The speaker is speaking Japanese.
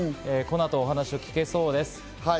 この後、お話を聞けそうです。